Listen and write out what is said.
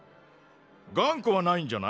がんこはないんじゃない？